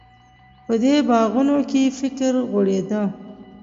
په دې باغونو کې فکر غوړېده.